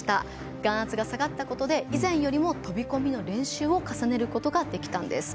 眼圧が下がったことで以前より飛び込みの練習を重ねることができたんです。